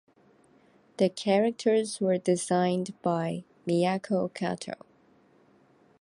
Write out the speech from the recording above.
The characters were designed by Miyako Kato.